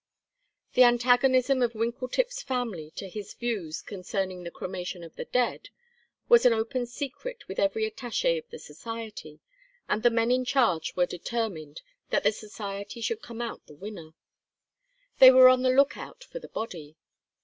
The antagonism of Winkletip's family to his views concerning the cremation of the dead was an open secret with every attach├® of the society, and the men in charge were determined that the society should come out the winner. They were on the lookout for the body.